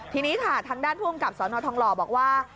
ทีนี้ค่ะทางด้านภูมิกับสนทองหล่อบอกว่า